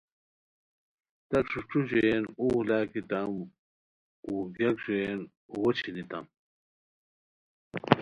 تہ ݯوݯھو ژوئین اوغ لاکیتام اوغ گیاک ژوئین اوغو چھینیتام